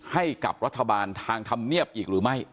ให้กับรัฐบาลทางธรรมเนียบอีกหรือไม่